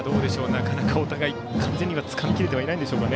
なかなかお互い完全にはつかみきれてないでしょうか。